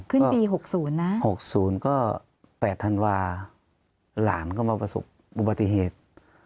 ขึ้นปีหกศูนย์นะหกศูนย์ก็แปดธันวาส์หลานก็มาประสบบุปติเหตุ